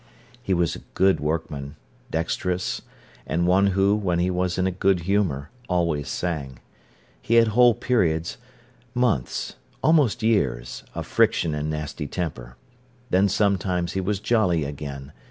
He was a good workman, dexterous, and one who, when he was in a good humour, always sang. He had whole periods, months, almost years, of friction and nasty temper. Then sometimes he was jolly again.